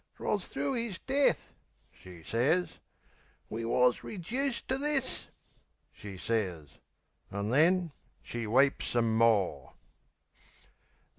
"'Twas thro' 'is death," she sez, "we wus rejuiced To this," she sez...An' then she weeps some more.